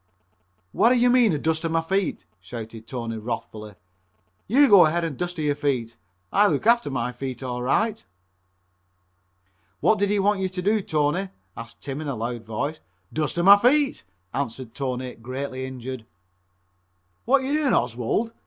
"Whatta you mean, dusta my feet?" shouted Tony wrathfully, "you go head an' dusta your feet! I look out for my feet all right." "What did he want yer to do, Tony?" asked Tim in a loud voice. "Dusta my feet," answered Tony, greatly injured. "What yer doin', Oswald?"